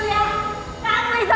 kamu yang beripu